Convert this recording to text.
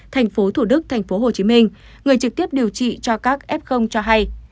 tp thủ đức tp hcm người trực tiếp điều trị cho các f cho hay